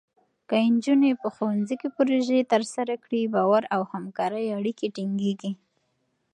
که نجونې په ښوونځي کې پروژې ترسره کړي، باور او همکارۍ اړیکې ټینګېږي.